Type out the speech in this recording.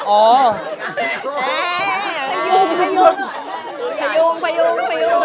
แอ่พยุง